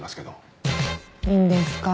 いいんですか？